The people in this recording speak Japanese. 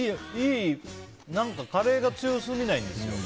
カレーが強すぎないんですよ。